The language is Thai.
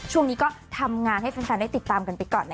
ช่วงนี้ก็ทำงานให้แฟนได้ติดตามกันไปก่อน